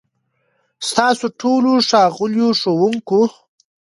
ستاسو ټولو، ښاغليو ښوونکو،